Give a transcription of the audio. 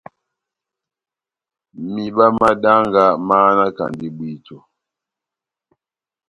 Mihiba má danga máhanakandi bwíto.